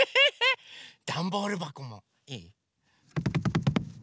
ダンボールばこもいいよ。